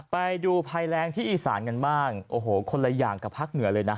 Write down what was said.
ไปดูภัยแรงที่อีสานกันบ้างโอ้โหคนละอย่างกับภาคเหนือเลยนะ